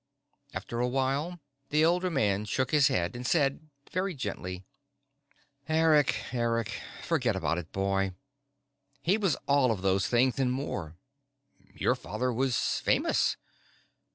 After a while, the older man shook his head and said, very gently: "Eric, Eric, forget about it, boy. He was all of those things and more. Your father was famous.